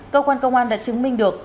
cơ quan công an đã chứng minh được